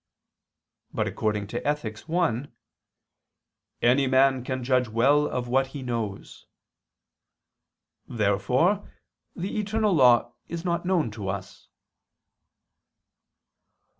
But according to Ethic. i, "any man can judge well of what he knows." Therefore the eternal law is not known to us.